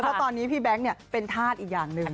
เพราะตอนนี้พี่แบงค์เป็นธาตุอีกอย่างหนึ่ง